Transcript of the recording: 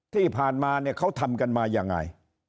ที่ผ่านมาเนี่ยเขาทำกันมายังไง